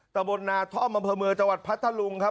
ตะบลนาท่อมมพมือจังหวัดพัทธรุงครับ